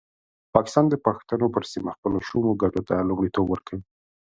پاکستان د پښتنو پر سیمه خپلو شومو ګټو ته لومړیتوب ورکوي.